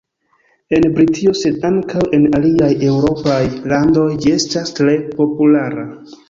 En Britio sed ankaŭ en aliaj eŭropaj landoj ĝi estas tre populara.